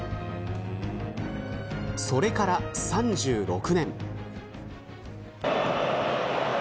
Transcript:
それから３６年。